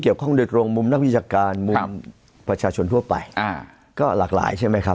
ข้องโดยตรงมุมนักวิชาการมุมประชาชนทั่วไปอ่าก็หลากหลายใช่ไหมครับ